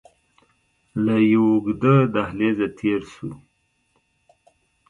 له يوه اوږد دهليزه تېر سو.